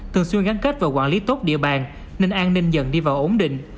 thường xuyên gắn kết và quản lý tốt địa bàn nên an ninh dần đi vào ổn định